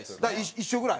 一緒ぐらい？